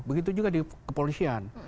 begitu juga di kepolisian